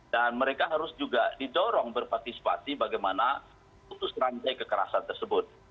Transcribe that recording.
dan mereka harus juga didorong berpartisipasi bagaimana putus rantai kekerasan tersebut